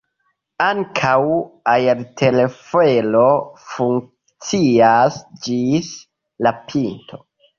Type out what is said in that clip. Ankaŭ aertelfero funkcias ĝis la pinto.